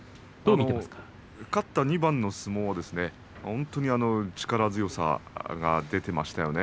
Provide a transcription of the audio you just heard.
勝った２番の相撲は本当に力強さが出ていましたね。